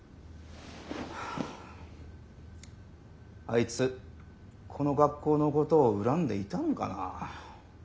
あいつこの学校のことを恨んでいたのかなあ。